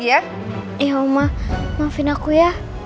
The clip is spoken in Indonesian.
pemburu berhenti masuk